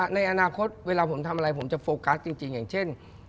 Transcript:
ในอนาคตเวลาผมทำอะไรผมจะโฟกัสจริงอย่างเช่น